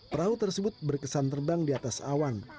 perahu tersebut berkesan terbang di atas awan